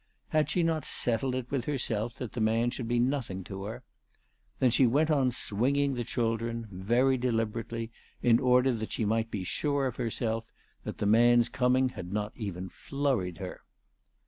Had she not settled it with herself that the man should be nothing to her ? Then she went on swinging the children, very delibe rately, in order that she might be sure of herself, that the man's coming%ad not even flurried her.